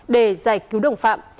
để giải cứu đồng phạm